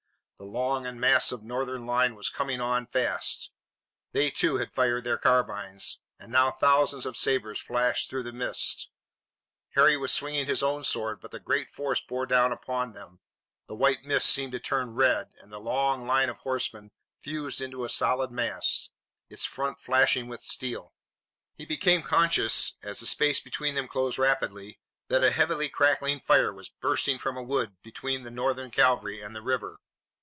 The long and massive Northern line was coming on fast. They, too, had fired their carbines, and now thousands of sabres flashed through the mists. Harry was swinging his own sword, but as the great force bore down upon them, the white mist seemed to turn to red and the long line of horsemen fused into a solid mass, its front flashing with steel. He became conscious, as the space between them closed rapidly, that a heavy crackling fire was bursting from a wood between the Northern cavalry and the river.